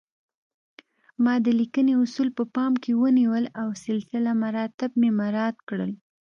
ما د لیکنې اصول په پام کې ونیول او سلسله مراتب مې مراعات کړل